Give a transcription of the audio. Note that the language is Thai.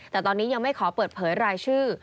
แต่ตอนนี้ยังไม่ขอเปิดเผยรายชื่อ